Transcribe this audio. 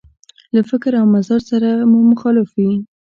له فکر او مزاج سره مو مخالف وي.